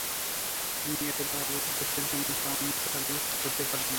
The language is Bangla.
তিনি এতটা অবাক হচ্ছেন কেন তাও নিসার আলি ধরতে পারলেন না।